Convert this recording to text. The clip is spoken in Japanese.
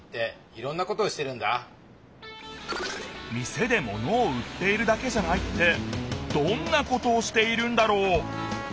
店で物を売っているだけじゃないってどんなことをしているんだろう？